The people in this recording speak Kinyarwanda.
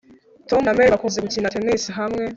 Tom na Mary bakunze gukina tennis hamwe